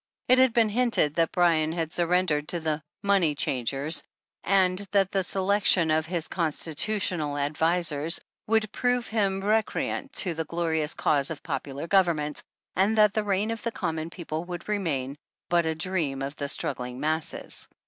It had even been hinted that Bryan had surrendered to the money changers," and that the selection of his con stitutional advisers would prove him recreant to the glorious cause of popular government, and that the Reign of the Common People would remain but a dream of the ''struggling masses."